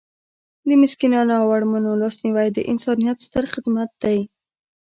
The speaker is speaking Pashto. د مسکینانو او اړمنو لاسنیوی د انسانیت ستر خدمت دی.